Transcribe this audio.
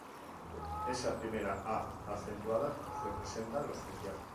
Esa primera ā acentuada representa lo ‘especial’.